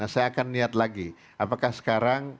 saya akan lihat lagi apakah sekarang